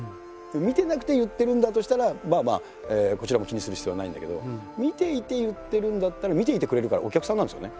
見てなくて言ってるんだとしたらまあまあこちらも気にする必要はないんだけど見ていて言ってるんだったら見ていてくれるからお客さんなんですよね。